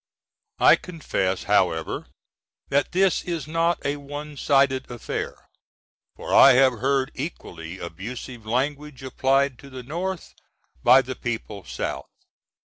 I confess, however, that this is not a one sided affair; for I have heard equally abusive language applied to the North by the people South.